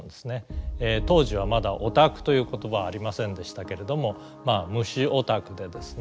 当時はまだオタクという言葉はありませんでしたけれども虫オタクでですね